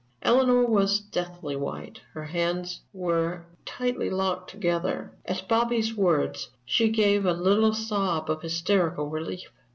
Eleanor was deathly white; her hands were tightly locked together. At Bobby's words she gave a little sob of hysterical relief.